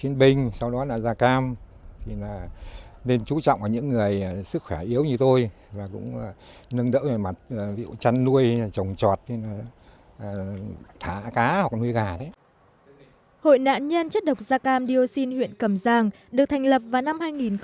hội nạn nhân chất độc da cam dioxin huyện cầm giang được thành lập vào năm hai nghìn một mươi